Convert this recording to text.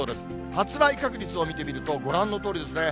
発雷確率を見てみると、ご覧のとおりですね。